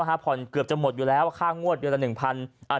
ผ่อนเกือบจะหมดอยู่แล้วค่างวดเดือนละหนึ่งพันอ่า